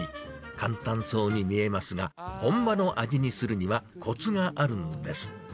簡単そうに見えますが、本場の味にするにはこつがあるんです。